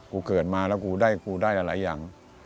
กูเกิดมาแล้วกูได้อะไรอย่าง